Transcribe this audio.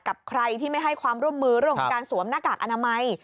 กับใครที่ไม่ให้ความร่วมมือเรื่องของการสวมหน้ากากอนามัย